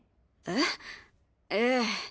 えっええ。